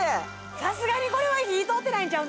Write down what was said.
さすがにこれは火通ってないんちゃう？